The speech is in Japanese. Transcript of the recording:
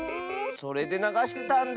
それでながしてたんだ。